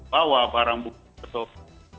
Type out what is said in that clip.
bawa barang buku ketop